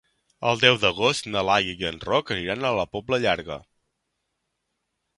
El deu d'agost na Laia i en Roc aniran a la Pobla Llarga.